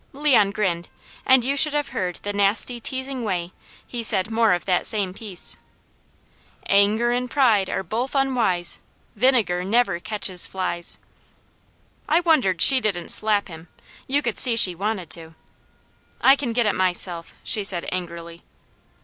Leon grinned and you should have heard the nasty, teasing way he said more of that same piece: "Anger and pride are both unwise, Vinegar never catches flies " I wondered she didn't slap him. You could see she wanted to. "I can get it myself," she said angrily.